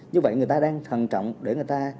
như vậy người ta đang thần trọng để người ta